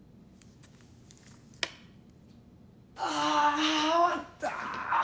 あ終わった。